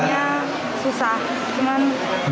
jadi relaks terus juga lebih tenang